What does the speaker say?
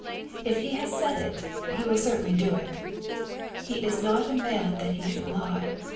If He has said it. He will certainly do it. " He is not a man that He should lie."